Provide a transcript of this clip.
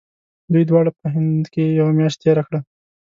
دوی دواړو په هند کې یوه میاشت تېره کړه.